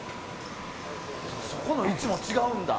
そこの位置も違うんだ。